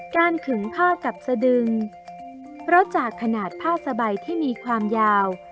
ขึงผ้ากับสะดึงเพราะจากขนาดผ้าสบายที่มีความยาว